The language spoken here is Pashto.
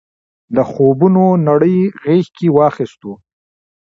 د خوبونو نړۍ غېږ کې واخیستو.